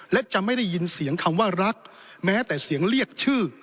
และจะไม่ได้ยินเสียงคำว่ารักแม้แต่เสียงเรียกชื่อ